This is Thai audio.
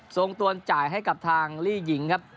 ทรงตัวนจ่ายให้กับทางลี่ยิงครับ